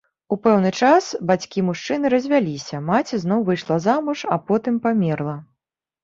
У пэўны час бацькі мужчыны развяліся, маці зноў выйшла замуж а потым памерла.